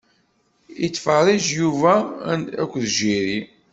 Ittfeṛṛiǧ Yuba & Jerry.